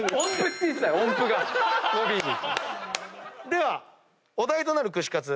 ではお題となる串カツ